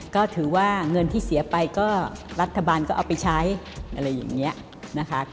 ก็ถือว่าเงินที่เสียไปก็รัฐบาลก็เอาไปใช้อะไรอย่างนี้นะคะ